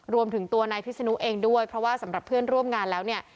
รวมถึงตัวนายพิศนุเองด้วยเพราะว่าสำหรับเพื่อนร่วมงานแล้วเนี่ย